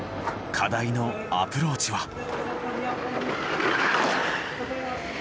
課題のアプローチは。